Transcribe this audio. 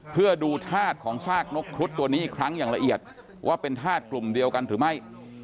เพื่อดูธาตุของซากนกครุฑตัวนี้อีกครั้งอย่างละเอียดว่าเป็นธาตุกลุ่มเดียวกันหรือไม่